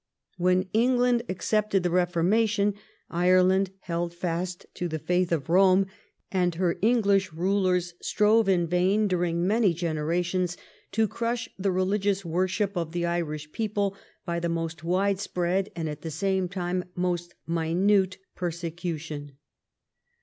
When England accepted the Eeformation, Ireland held fast to the faith of Eome, and her English rulers strove in vain, during many generations, to crush the religious worship of the Irish people by the most widespread and at the same time most minute perse cution.